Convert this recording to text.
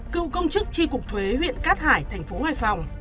cựu công chức chi cục thuế huyện cát hải tp hải phòng